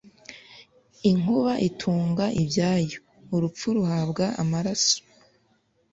inkuba itunga ibyayo, urupfu ruhabwa amaraso.